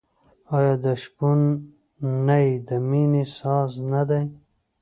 آیا د شپون نی د مینې ساز نه دی؟